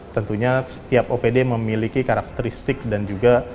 tentunya setiap opd memiliki karakteristik dan juga